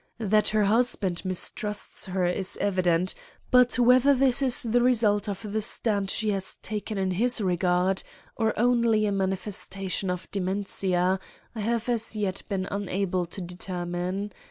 That her husband mistrusts her is evident, but whether this is the result of the stand she has taken in his regard, or only a manifestation of dementia, I have as yet been unable to determine.